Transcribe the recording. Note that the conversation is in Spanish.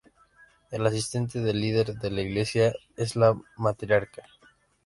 El asistente del líder de la Iglesia es la Matriarca.